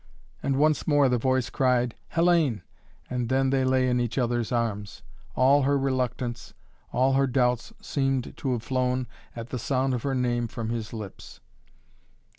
And once more the voice cried "Hellayne!" and then they lay in each other's arms. All her reluctance, all her doubts seemed to have flown at the sound of her name from his lips.